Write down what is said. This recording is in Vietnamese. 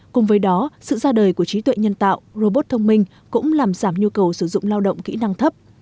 cùng với đó sự ra đời của trí tuệ nhân tạo robot thông minh cũng làm giảm nhu cầu sử dụng lao động kỹ năng thấp